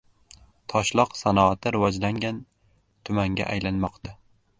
Toshloq sanoati rivojlangan tumanga aylanmoqda